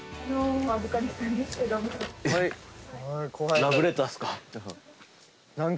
ラブレターっすか？